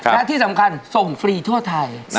และที่สำคัญส่งฟรีทั่วไทย